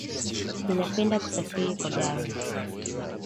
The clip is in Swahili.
Ninapenda kusafiri kwa gari